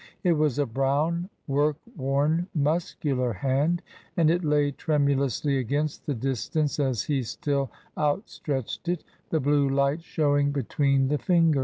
It was a brown, work worn, muscular hand, and it lay tremulously against the distance as he still out stretched it, the blue light showing between the fingers.